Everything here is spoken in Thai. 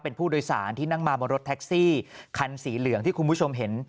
เป็นผู้โดยสารที่นั่งมาบนรถแท็กซี่คันสีเหลืองที่คุณผู้ชมเห็น